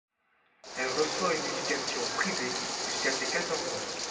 Elle reçoit une éducation privée jusqu'à ses quatorze ans.